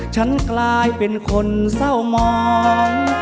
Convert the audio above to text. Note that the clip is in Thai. ฉันกลายเป็นคนเศร้ามอง